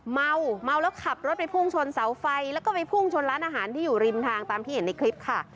เมาเมาแล้วขับรถไปพุ่งชนเสาไฟแล้วก็ไปพุ่งชนร้านอาหารที่อยู่ริมทางตามที่เห็นในคลิปค่ะ